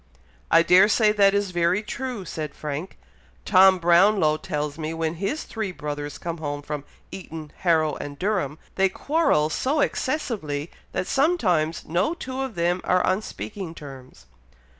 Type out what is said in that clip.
"I dare say that is very true," said Frank. "Tom Brownlow tells me when his three brothers come home from Eton, Harrow, and Durham, they quarrel so excessively, that sometimes no two of them are on speaking terms."